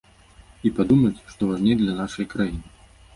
І падумаць, што важней для нашай краіны.